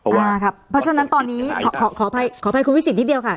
เพราะว่าเพราะฉะนั้นตอนนี้ขอภัยคุณวิสิทธิ์นิดเดียวค่ะ